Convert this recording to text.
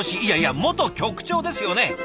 いやいや元局長ですよね？